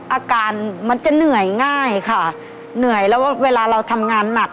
อาการมันจะเหนื่อยง่ายค่ะเหนื่อยแล้วเวลาเราทำงานหนัก